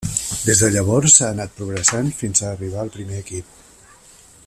Des de llavors ha anat progressant fins a arribar al primer equip.